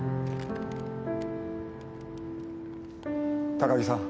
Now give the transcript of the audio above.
高木さん。